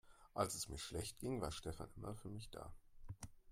Als es mir schlecht ging, war Stefan immer für mich da.